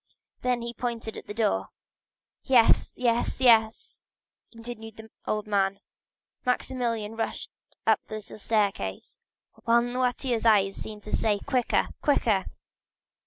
Then he pointed to the door. "Yes, yes, yes!" continued the old man. 50089m Maximilian rushed up the little staircase, while Noirtier's eyes seemed to say,—"Quicker, quicker!"